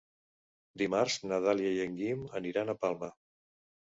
Dimarts na Dàlia i en Guim aniran a Palma.